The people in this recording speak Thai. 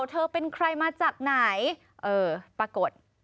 เธอเป็นใครมาจากไหนเออปรากฏ